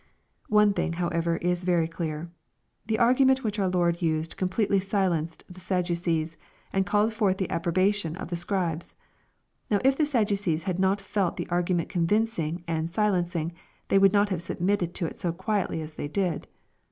One thing, however, is very clear. The argument which our Lord used completely silenced the Sadducees, and called forth the approbation of the Scribes. Now if the Sadducees had not felt the argument convincing and silencing, they would not have submit ted to it so quietly as they did.